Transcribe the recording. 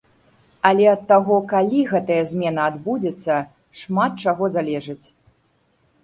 Але ад таго, калі гэтая змена адбудзецца, шмат чаго залежыць.